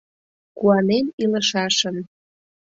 Куанен илышашын.